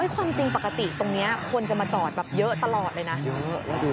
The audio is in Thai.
ความจริงปกติตรงนี้คนจะมาจอดแบบเยอะตลอดเลยนะเยอะ